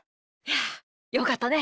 よかったね。